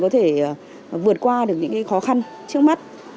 có thể vượt qua những khó khăn trước mắt